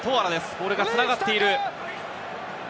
ボールが繋がっている。